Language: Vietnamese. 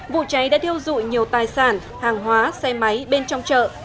vụ cháy đã thiêu dụi nhiều tài sản hàng hóa xe máy bên trong chợ